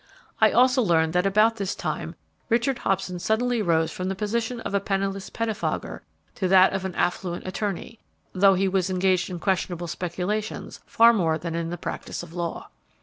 I also learned that about this time Richard Hobson suddenly rose from the position of a penniless pettifogger to that of an affluent attorney, though he was engaged in questionable speculations far more than in the practice of law.